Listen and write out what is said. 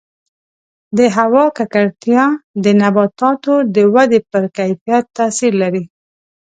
د هوا ککړتیا د نباتاتو د ودې پر کیفیت تاثیر لري.